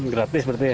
gratis berarti ya